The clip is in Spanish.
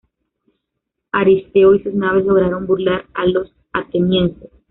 Aristeo y sus naves lograron burlar a los atenienses.